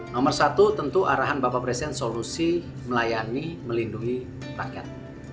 nomor satu tentu arahan bapak presiden solusi melayani melindungi rakyat